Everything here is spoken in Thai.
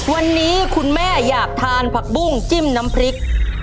วันนี้คุณแม่อยากทานผักบุ้งจิ้มน้ำพริก